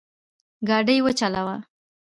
ګاډی وچلوه